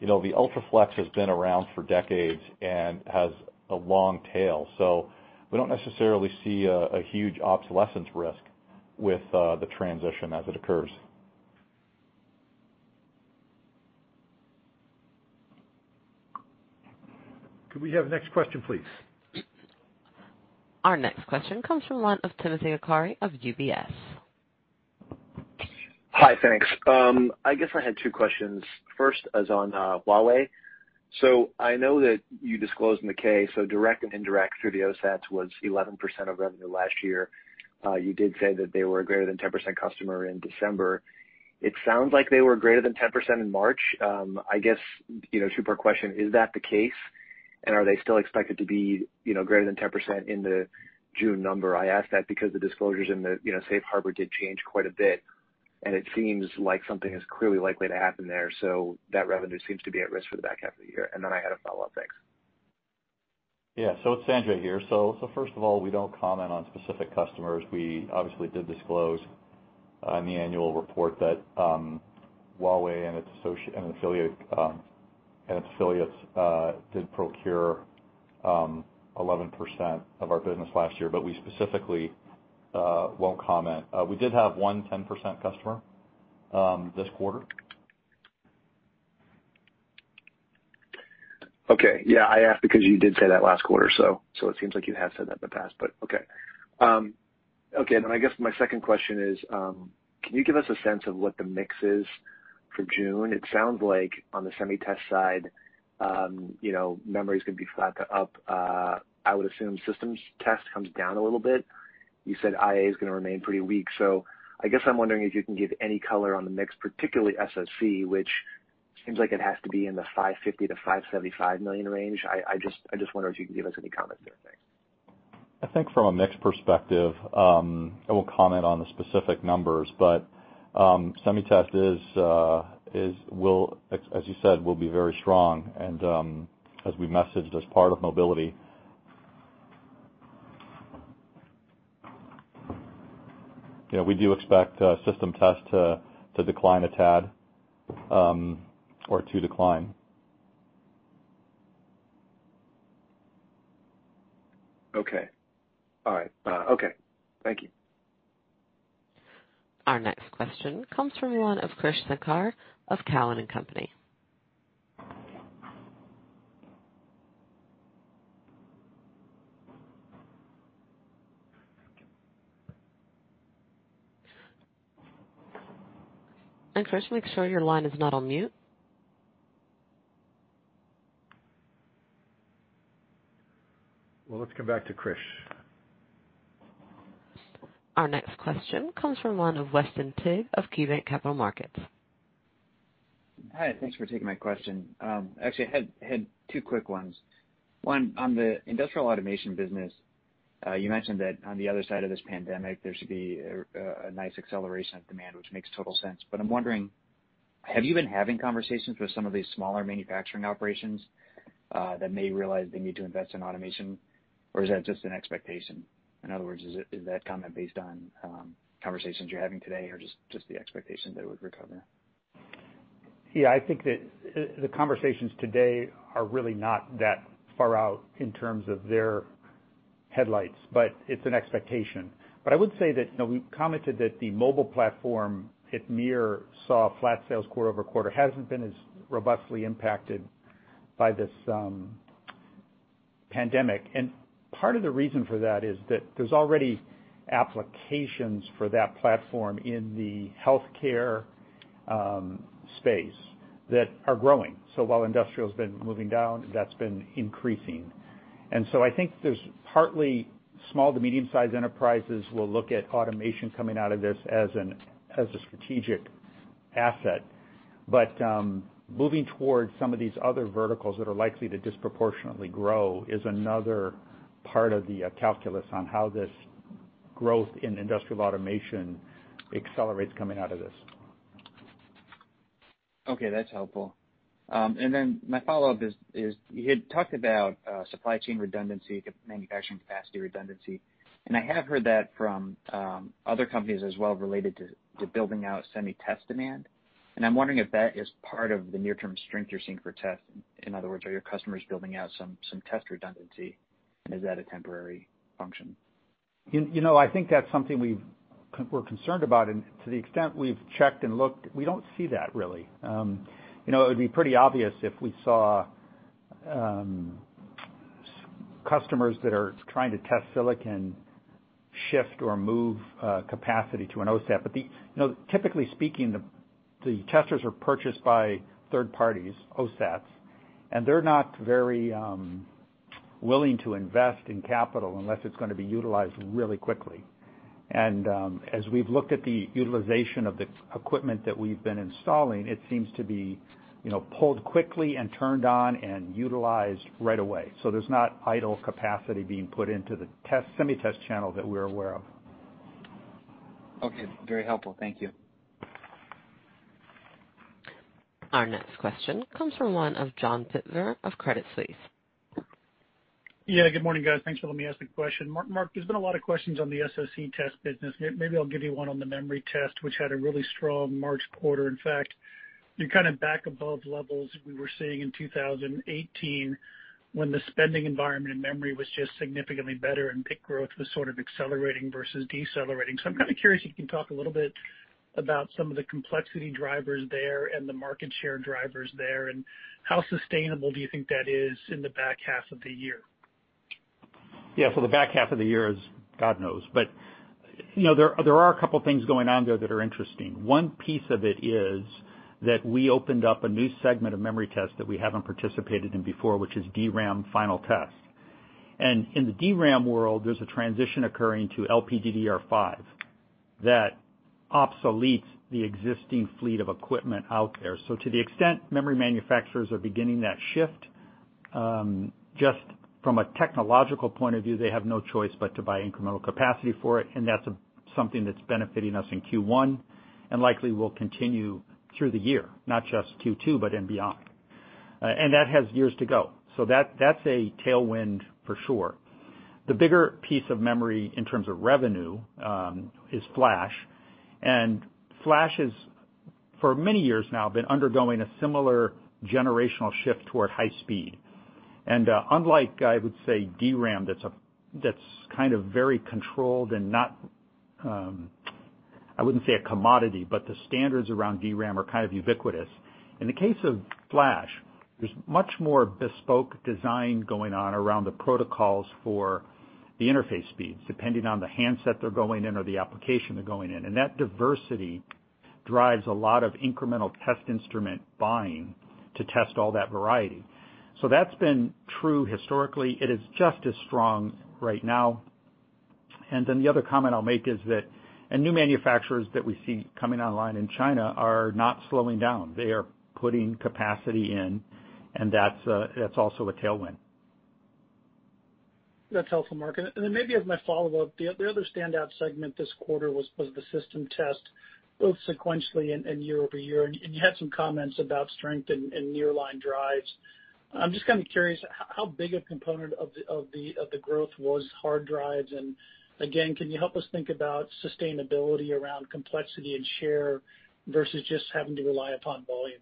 the UltraFLEX has been around for decades and has a long tail, so we don't necessarily see a huge obsolescence risk with the transition as it occurs. Could we have the next question, please? Our next question comes from one of Timothy Arcuri of UBS. Hi, thanks. I guess I had two questions. First is on Huawei. I know that you disclosed in the K, direct and indirect through the OSATs was 11% of revenue last year. You did say that they were a greater than 10% customer in December. It sounds like they were greater than 10% in March. I guess, two-part question, is that the case? Are they still expected to be greater than 10% in the June number? I ask that because the disclosures in the safe harbor did change quite a bit, and it seems like something is clearly likely to happen there, so that revenue seems to be at risk for the back half of the year. I had a follow-up. Thanks. Yeah. It's Sanjay here. First of all, we don't comment on specific customers. We obviously did disclose on the annual report that Huawei and its affiliates did procure 11% of our business last year, we specifically won't comment. We did have one 10% customer this quarter. Okay. Yeah, I asked because you did say that last quarter, so it seems like you have said that in the past, but okay. Okay. I guess my second question is, can you give us a sense of what the mix is for June? It sounds like on the Semiconductor Test side, memory's going to be flat to up. I would assume System Test comes down a little bit. You said IA is going to remain pretty weak. I guess I'm wondering if you can give any color on the mix, particularly SoC, which seems like it has to be in the $550 million-$575 million range. I just wonder if you can give us any comment there. Thanks. I think from a mix perspective, I won't comment on the specific numbers, but SemiTest, as you said, will be very strong and as we messaged as part of mobility. We do expect System Test to decline a tad, or to decline. Okay. All right. Okay. Thank you. Our next question comes from one of Krish Sankar of Cowen and Company. Krish, make sure your line is not on mute. Well, let's come back to Krish. Our next question comes from one of Weston Twigg of KeyBanc Capital Markets. Hi, thanks for taking my question. Actually, I had two quick ones. One, on the industrial automation business, you mentioned that on the other side of this pandemic, there should be a nice acceleration of demand, which makes total sense. I'm wondering, have you been having conversations with some of these smaller manufacturing operations that may realize they need to invest in automation? Is that just an expectation? In other words, is that comment based on conversations you're having today or just the expectation that it would recover? Yeah, I think that the conversations today are really not that far out in terms of their headlights. It's an expectation. I would say that we commented that the mobile platform at MiR saw flat sales quarter-over-quarter, hasn't been as robustly impacted by this pandemic. Part of the reason for that is that there's already applications for that platform in the healthcare space that are growing. While industrial's been moving down, that's been increasing. I think there's partly small to medium-sized enterprises will look at automation coming out of this as a strategic asset. Moving towards some of these other verticals that are likely to disproportionately grow is another part of the calculus on how this growth in industrial automation accelerates coming out of this. Okay, that's helpful. My follow-up is, you had talked about supply chain redundancy, manufacturing capacity redundancy, and I have heard that from other companies as well, related to building out SemiTest demand, and I'm wondering if that is part of the near-term strength you're seeing for test. In other words, are your customers building out some test redundancy, and is that a temporary function? I think that's something we're concerned about, and to the extent we've checked and looked, we don't see that really. It would be pretty obvious if we saw customers that are trying to test silicon shift or move capacity to an OSAT. Typically speaking, the testers are purchased by third parties, OSATs, and they're not very willing to invest in capital unless it's going to be utilized really quickly. As we've looked at the utilization of the equipment that we've been installing, it seems to be pulled quickly and turned on and utilized right away. There's not idle capacity being put into the semi-test channel that we're aware of. Okay. Very helpful. Thank you. Our next question comes from one of John Pitzer of Credit Suisse. Yeah. Good morning, guys. Thanks for letting me ask a question. Mark, there's been a lot of questions on the SoC test business. Maybe I'll give you one on the memory test, which had a really strong March quarter. In fact, you're kind of back above levels we were seeing in 2018, when the spending environment in memory was just significantly better and PIC growth was sort of accelerating versus decelerating. I'm kind of curious if you can talk a little bit about some of the complexity drivers there and the market share drivers there, and how sustainable do you think that is in the back half of the year? Yeah. The back half of the year is, God knows. There are a couple things going on there that are interesting. One piece of it is that we opened up a new segment of memory test that we haven't participated in before, which is DRAM final test. In the DRAM world, there's a transition occurring to LPDDR5 that obsoletes the existing fleet of equipment out there. To the extent memory manufacturers are beginning that shift, just from a technological point of view, they have no choice but to buy incremental capacity for it, and that's something that's benefiting us in Q1 and likely will continue through the year, not just Q2, but beyond. That has years to go. That's a tailwind for sure. The bigger piece of memory in terms of revenue, is Flash, and Flash has, for many years now, been undergoing a similar generational shift toward high speed. Unlike, I would say, DRAM, that's kind of very controlled and not, I wouldn't say a commodity, but the standards around DRAM are kind of ubiquitous. In the case of Flash, there's much more bespoke design going on around the protocols for the interface speeds, depending on the handset they're going in or the application they're going in, and that diversity drives a lot of incremental test instrument buying to test all that variety. That's been true historically. It is just as strong right now. The other comment I'll make is that new manufacturers that we see coming online in China are not slowing down. They are putting capacity in, and that's also a tailwind. That's helpful, Mark. Then maybe as my follow-up, the other standout segment this quarter was the System Test, both sequentially and year-over-year, and you had some comments about strength in nearline drives. I'm just kind of curious, how big a component of the growth was hard drives? Again, can you help us think about sustainability around complexity and share versus just having to rely upon volumes?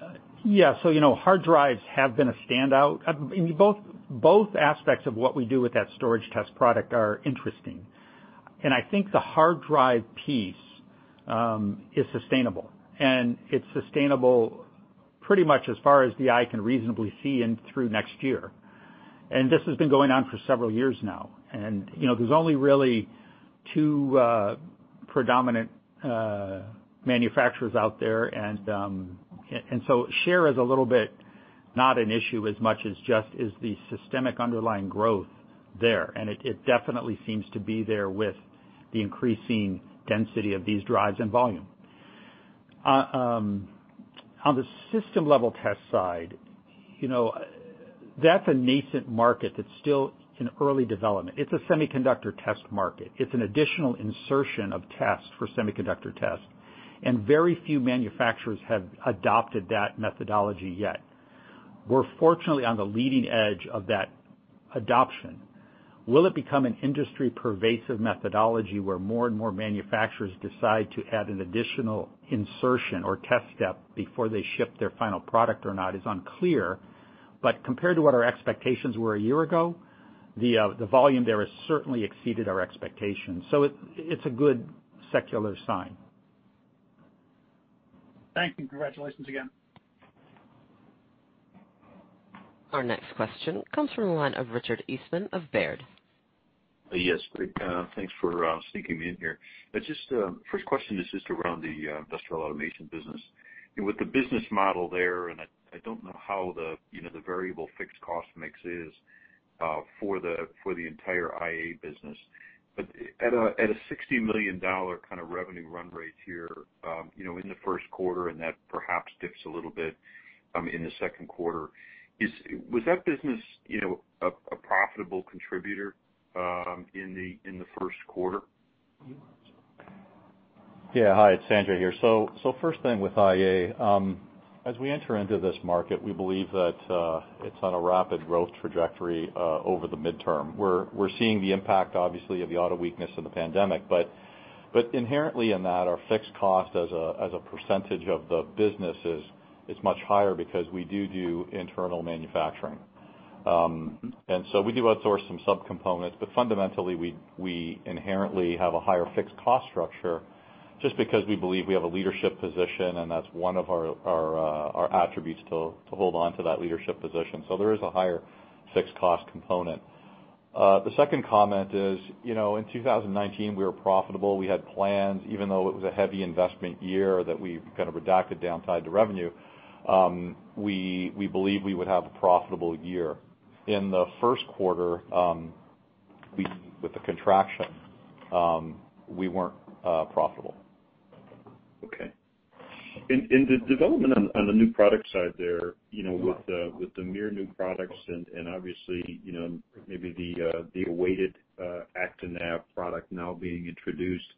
Hard drives have been a standout. Both aspects of what we do with that storage test product are interesting. I think the hard drive piece is sustainable, and it's sustainable pretty much as far as the eye can reasonably see and through next year. This has been going on for several years now. There's only really two predominant manufacturers out there, share is a little bit not an issue as much as just is the systemic underlying growth there, it definitely seems to be there with the increasing density of these drives and volume. On the system level test side, that's a nascent market that's still in early development. It's a Semiconductor Test market. It's an additional insertion of test for Semiconductor Test, very few manufacturers have adopted that methodology yet. We're fortunately on the leading edge of that adoption. Will it become an industry-pervasive methodology where more and more manufacturers decide to add an additional insertion or test step before they ship their final product or not is unclear. Compared to what our expectations were a year ago, the volume there has certainly exceeded our expectations. It's a good secular sign. Thank you. Congratulations again. Our next question comes from the line of Richard Eastman of Baird. Yes. Great. Thanks for sneaking me in here. First question is just around the Industrial Automation business. With the business model there, and I don't know how the variable fixed cost mix is for the entire IA business. But at a $60 million kind of revenue run rate here in the first quarter, and that perhaps dips a little bit in the second quarter, was that business a profitable contributor in the first quarter? Yeah. Hi, it's Sanjay here. First thing with IA, as we enter into this market, we believe that it's on a rapid growth trajectory over the midterm. We're seeing the impact, obviously, of the auto weakness in the pandemic, but inherently in that, our fixed cost as a percentage of the business is much higher because we do internal manufacturing. We do outsource some sub-components, but fundamentally, we inherently have a higher fixed cost structure just because we believe we have a leadership position, and that's one of our attributes to hold on to that leadership position. There is a higher fixed cost component. The second comment is, in 2019, we were profitable. We had plans, even though it was a heavy investment year that we kind of redacted down tied to revenue, we believe we would have a profitable year. In the first quarter, with the contraction, we weren't profitable. Okay. In the development on the new product side there, with the MiR new products and obviously, maybe the awaited ActiNav product now being introduced,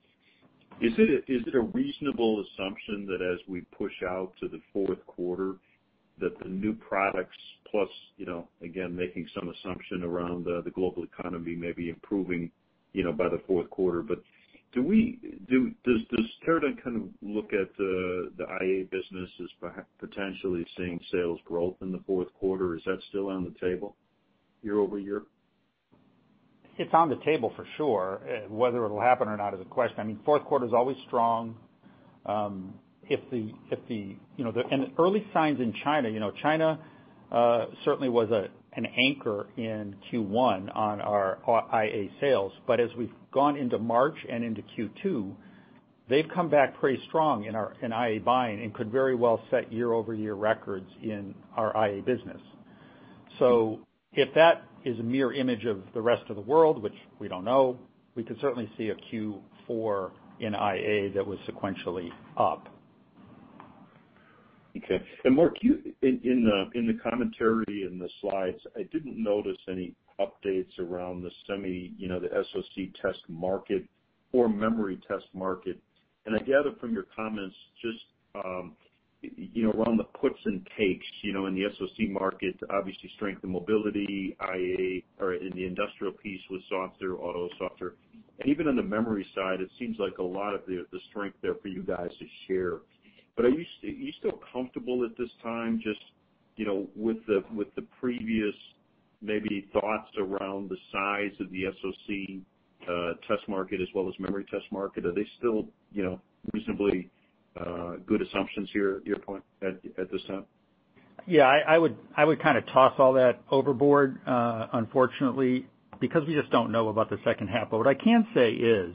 is it a reasonable assumption that as we push out to the fourth quarter, that the new products plus, again, making some assumption around the global economy maybe improving by the fourth quarter? Does Teradyne kind of look at the IA business as potentially seeing sales growth in the fourth quarter? Is that still on the table year-over-year? It's on the table for sure. Whether it'll happen or not is the question. Fourth quarter's always strong. Early signs in China. China certainly was an anchor in Q1 on our IA sales, but as we've gone into March and into Q2, they've come back pretty strong in IA buying and could very well set year-over-year records in our IA business. If that is a MiR image of the rest of the world, which we don't know, we could certainly see a Q4 in IA that was sequentially up. Okay. Mark, in the commentary in the slides, I didn't notice any updates around the SoC test market or memory test market. I gather from your comments just around the puts and takes in the SoC market, obviously strength and mobility, IA or in the industrial piece with softer auto. Even on the memory side, it seems like a lot of the strength there for you guys to share. Are you still comfortable at this time just with the previous maybe thoughts around the size of the SoC test market as well as memory test market? Are they still reasonably good assumptions here at this time? I would kind of toss all that overboard, unfortunately, because we just don't know about the second half. What I can say is,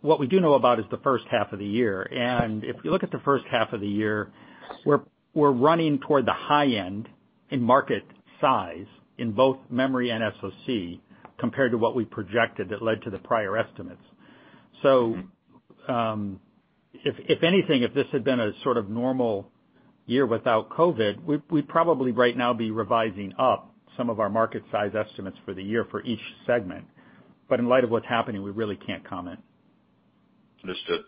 what we do know about is the first half of the year, and if you look at the first half of the year, we're running toward the high end in market size in both memory and SoC compared to what we projected that led to the prior estimates. If anything, if this had been a sort of normal year without COVID, we'd probably right now be revising up some of our market size estimates for the year for each segment. In light of what's happening, we really can't comment. Understood.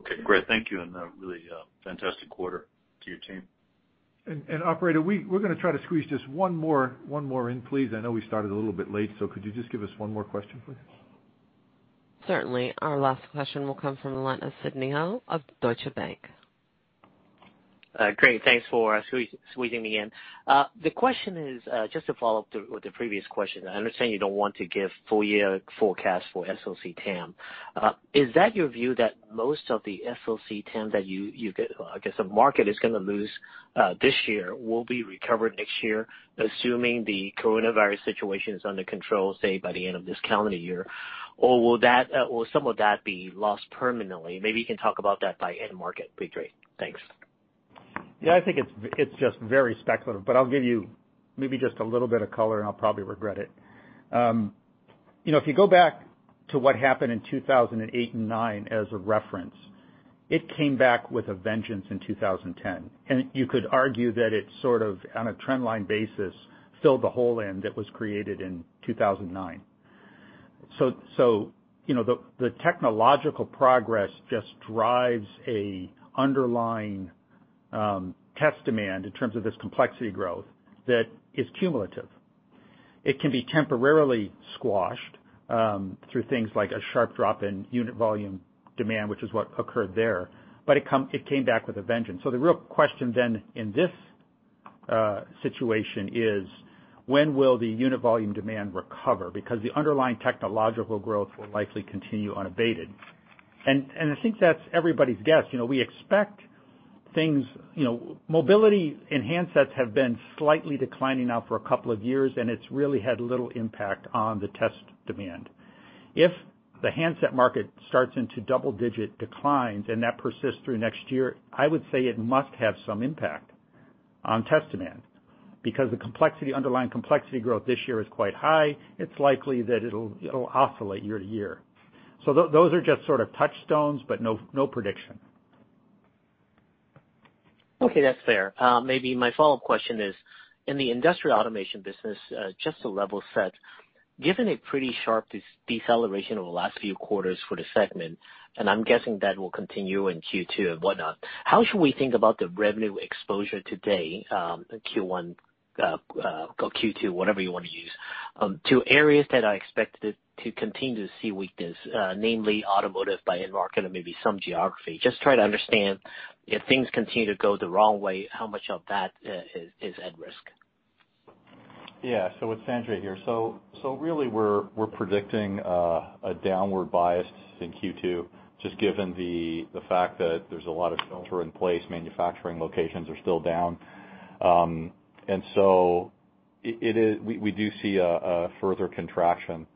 Okay, great. Thank you, and a really fantastic quarter to your team. Operator, we're going to try to squeeze just one more in, please. I know we started a little bit late, so could you just give us one more question, please? Certainly. Our last question will come from the line of Sidney Ho of Deutsche Bank. Great. Thanks for squeezing me in. The question is, just to follow up with the previous question. I understand you don't want to give full year forecast for SoC TAM. Is that your view that most of the SoC TAM that you get, I guess the market is going to lose this year will be recovered next year, assuming the coronavirus situation is under control, say, by the end of this calendar year? Will some of that be lost permanently? Maybe you can talk about that by end market would be great. Thanks. Yeah, I think it's just very speculative, but I'll give you maybe just a little bit of color, and I'll probably regret it. If you go back to what happened in 2008 and 2009 as a reference, it came back with a vengeance in 2010. You could argue that it sort of, on a trend line basis, filled the hole in that was created in 2009. The technological progress just drives an underlying test demand in terms of this complexity growth that is cumulative. It can be temporarily squashed through things like a sharp drop in unit volume demand, which is what occurred there. It came back with a vengeance. The real question then in this situation is: when will the unit volume demand recover? The underlying technological growth will likely continue unabated. I think that's everybody's guess. Mobility and handsets have been slightly declining now for a couple of years, and it's really had little impact on the test demand. If the handset market starts into double-digit declines and that persists through next year, I would say it must have some impact on test demand, because the underlying complexity growth this year is quite high. It's likely that it'll oscillate year to year. Those are just sort of touchstones, but no prediction. Okay, that's fair. Maybe my follow-up question is, in the industrial automation business, just to level set, given a pretty sharp deceleration over the last few quarters for the segment, and I'm guessing that will continue in Q2 and whatnot, how should we think about the revenue exposure today, Q1 or Q2, whatever you want to use, to areas that are expected to continue to see weakness, namely automotive by end market or maybe some geography? Just trying to understand if things continue to go the wrong way, how much of that is at risk. It's Sanjay here. Really we're predicting a downward bias in Q2, just given the fact that there's a lot of shelter in place, manufacturing locations are still down. We do see a further contraction.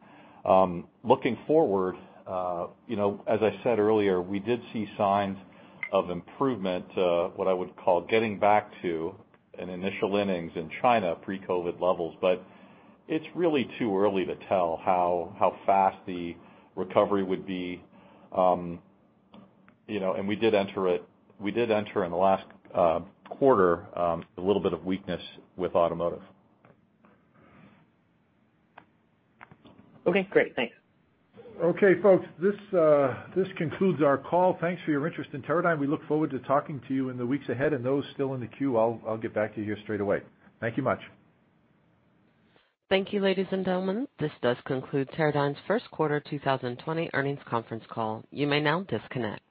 Looking forward, as I said earlier, we did see signs of improvement, what I would call getting back to an initial innings in China pre-COVID levels. It's really too early to tell how fast the recovery would be. We did enter in the last quarter, a little bit of weakness with automotive. Okay, great. Thanks. Okay, folks, this concludes our call. Thanks for your interest in Teradyne. We look forward to talking to you in the weeks ahead. Those still in the queue, I'll get back to you here straight away. Thank you much. Thank you, ladies and gentlemen. This does conclude Teradyne's first quarter 2020 earnings conference call. You may now disconnect.